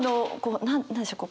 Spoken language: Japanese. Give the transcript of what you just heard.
何でしょう？